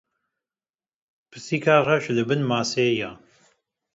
Pisîka reş li bin maseyê ye.